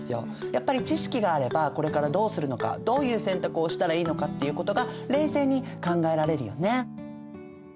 やっぱり知識があればこれからどうするのかどういう選択をしたらいいのかっていうことが冷静に考えられるよね。